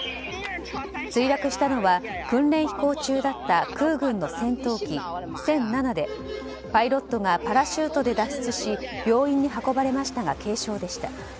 墜落したのは訓練飛行中だった空軍の戦闘機「殲７」でパイロットがパラシュートで脱出し病院に運ばれましたが軽傷でした。